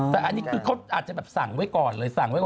แต่เขาอาจจะสั่งไว้ก่อนเลย